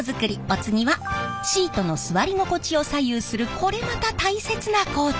お次はシートの座り心地を左右するこれまた大切な工程。